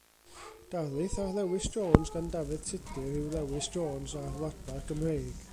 Darlith ar Lewis Jones gan Dafydd Tudur yw Lewis Jones a'r Wladfa Gymreig.